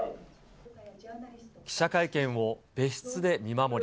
記者会見を別室で見守り。